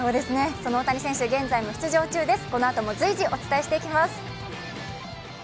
その大谷選手、現在も出場中です。